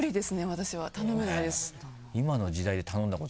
私は頼めないです。